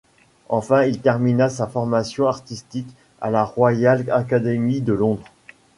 Enfin il termina sa formation artisitque à la Royal Academy de Londres.